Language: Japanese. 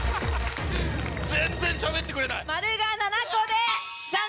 全然しゃべってくれない！